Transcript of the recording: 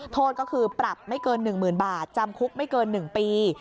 โทษก็คือปรับไม่เกิน๑๐๐๐บาทจำคุกไม่เกิน๑ปี